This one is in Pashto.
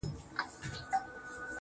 سپوږميه کړنگ وهه راخېژه وايم,